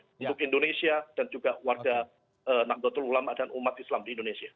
untuk indonesia dan juga warga naklatul ulama dan umat islam di indonesia